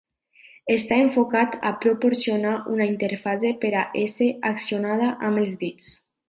Està enfocat a proporcionar una interfase per a ésser accionada amb els dits.